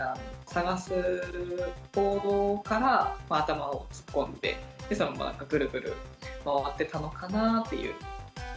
探す行動から頭を突っ込んで、そのままくるくる回ってたのかなっていう。